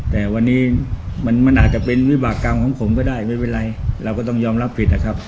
แต่วันนี้มันอาจจะเป็นวิบากรรมของผมก็ได้ไม่เป็นไรเราก็ต้องยอมรับผิดนะครับ